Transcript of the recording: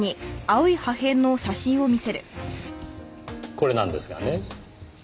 これなんですがね。